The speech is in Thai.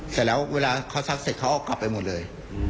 เสร็จแล้วเวลาเขาซักเสร็จเขาเอากลับไปหมดเลย